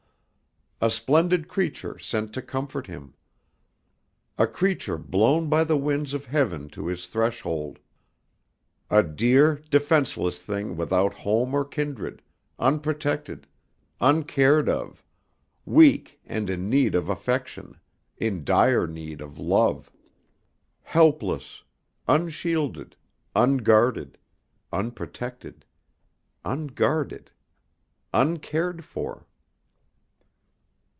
A splendid creature sent to comfort him. A creature blown by the winds of heaven to his threshold. A dear defenceless thing without home or kindred, unprotected, uncared of, weak and in need of affection, in dire need of love. Helpless, unshielded, unguarded ... unprotected ... unguarded ... uncared for....